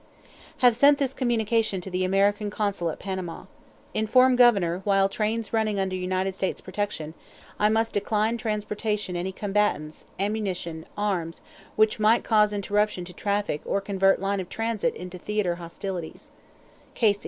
Have sent this communication to the American Consul at Panama: "Inform Governor, while trains running under United States protection, I must decline transportation any combatants, ammunition, arms, which might cause interruption to traffic or convert line of transit into theater hostilities."